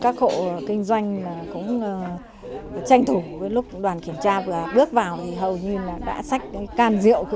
các hộ kinh doanh cũng tranh thủ với lúc đoàn kiểm tra vừa bước vào